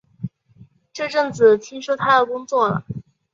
这阵子听说他要工作了